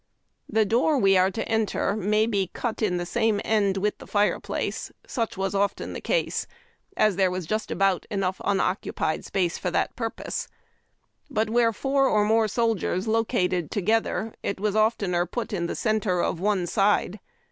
The door we are to enter may be cut in the same end with the fire place. Such was often the case, as there was just about unoccupied space enough for that purpose. But where four or more soldiers located together it was oftener put in the centre of one side.